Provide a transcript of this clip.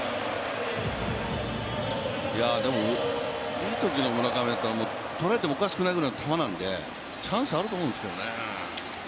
いいときの村上だったら捉えてもおかしくないぐらいの球なんでチャンスはあると思うんですけどね。